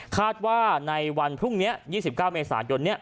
คาดว่าในวันพรุ่งนี้๒๙เมษายนนี้